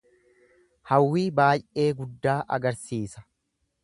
Hawwii baay'ee guddaa agarsiisa.